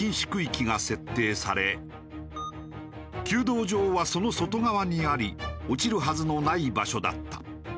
弓道場はその外側にあり落ちるはずのない場所だった。